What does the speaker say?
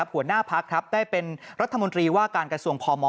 หัวหน้าพักครับได้เป็นรัฐมนตรีว่าการกระทรวงพม